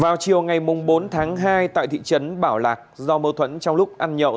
vào chiều ngày bốn tháng hai tại thị trấn bảo lạc do mâu thuẫn trong lúc ăn nhậu